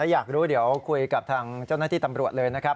อยากรู้เดี๋ยวคุยกับทางเจ้าหน้าที่ตำรวจเลยนะครับ